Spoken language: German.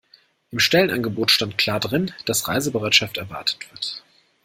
Im Stellenangebot stand klar drin, dass Reisebereitschaft erwartet wird.